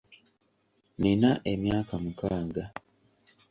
Nnina emyaka mukaaga.